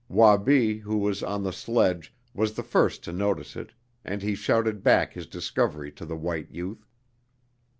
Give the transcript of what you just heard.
Wabi, who was on the sledge, was the first to notice it, and he shouted back his discovery to the white youth.